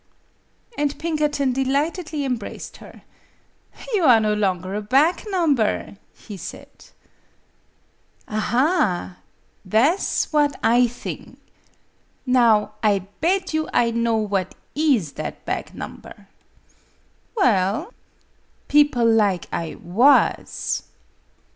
And Pinkerton delightedly embraced her. "You are no longer a back number, " hesaid. MADAME BUTTERFLY n "Aha! Tha' 's what / thing. Now I bed you I know what is that bag nomber! "" Well ?"" People lig I was."